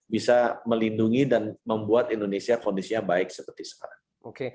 bisa melindungi dan membuat indonesia kondisinya baik seperti sekarang